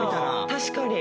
確かに。